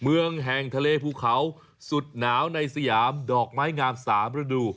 เมืองแห่งทะเลภูเขาสุดหนาวในสยามดอกไม้งาม๓ฤดู